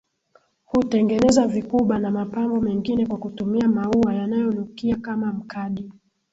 Hutengeneza vikuba na mapambo mengine kwa kutumia maua yanayonukia kama mkadi